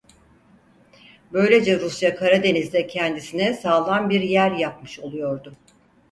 Böylece Rusya Karadeniz'de kendisine sağlam bir yer yapmış oluyordu.